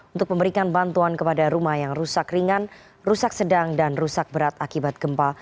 untuk memberikan bantuan kepada rumah yang rusak ringan rusak sedang dan rusak berat akibat gempa